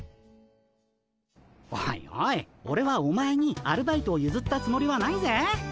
おいおいオレはお前にアルバイトをゆずったつもりはないぜ。